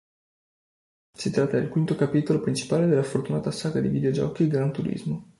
Si tratta del quinto capitolo principale della fortunata saga di videogiochi "Gran Turismo".